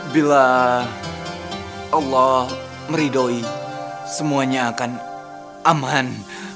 bila allah meridoi semuanya akan aman